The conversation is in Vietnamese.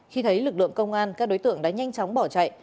khi thấy lực lượng công an các đối tượng đã nhanh chóng bỏ chạy